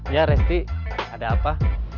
ya resti ada apa